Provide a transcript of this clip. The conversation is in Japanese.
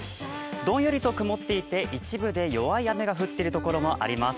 どんよりと曇っていて一部で弱い雨が降っている所もあります。